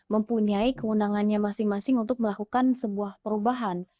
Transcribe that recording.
mempunyai keundangannya masing masing untuk melakukan sebuah perubahan